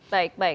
baik baik baik